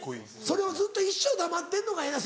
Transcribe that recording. それをずっと一生黙ってるのがええな。